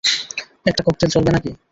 একটা ককটেল চলবে নাকি?